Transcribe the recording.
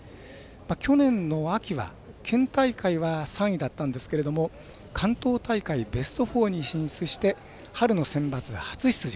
去年の秋は、県大会は３位だったんですけれども関東大会ベスト４に進出して春のセンバツが初出場。